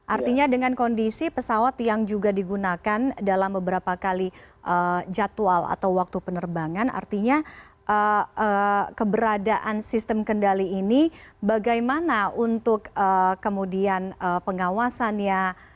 artinya dengan kondisi pesawat yang juga digunakan dalam beberapa kali jadwal atau waktu penerbangan artinya keberadaan sistem kendali ini bagaimana untuk kemudian pengawasannya